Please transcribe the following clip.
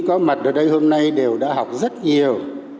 các đồng chí có mặt ở đây hôm nay đều đã học rất nhiều